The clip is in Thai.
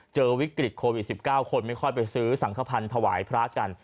เจอวิกฤตโควิด๑๙คนไม่ค่อยไปซื้อสังขพันธ์ถวายพระกัน